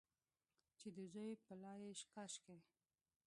چې د زوی پلا یې کاشکي،